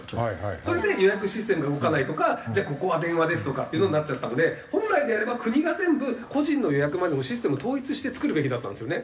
それで「予約システムが動かない」とか「じゃあここは電話です」とかっていうのになっちゃったので本来であれば国が全部個人の予約までもシステムを統一して作るべきだったんですよね。